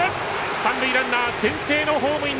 三塁ランナー先制のホームイン！